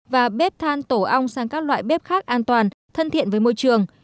và bếp than tổ ong sang các loại bếp khác an toàn thân thiện với môi trường